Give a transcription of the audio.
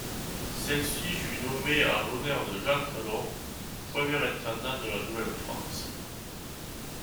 Celle-ci fut nommée en l'honneur de Jean Talon, premier intendant de la Nouvelle-France.